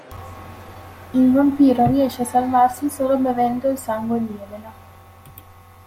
Il vampiro riesce a salvarsi solo bevendo il sangue di Elena.